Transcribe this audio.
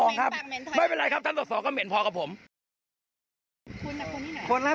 ไม่เลือกหรอกไม่ต้องเลือกเขาไม่อยากให้เลือก